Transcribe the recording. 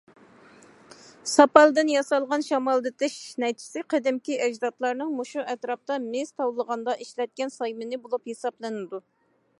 ساپالدىن ياسالغان شامالدىتىش نەيچىسى قەدىمكى ئەجدادلارنىڭ مۇشۇ ئەتراپتا مىس تاۋلىغاندا ئىشلەتكەن سايمىنى بولۇپ ھېسابلىنىدۇ.